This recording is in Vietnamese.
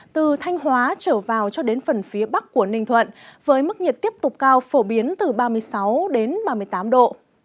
từ thanh hóa trở vào cho đến phần phía bắc của ninh thuận với mức nhiệt tiếp tục cao phổ biến từ ba mươi sáu ba mươi tám độ